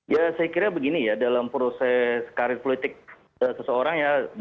ya saya kira begini ya dalam proses karir politik seseorang ya